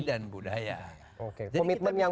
dan budaya komitmen yang